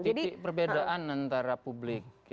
jadi perbedaan antara publik